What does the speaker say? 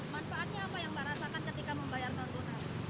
manfaatnya apa yang berasakan ketika membayar non tunai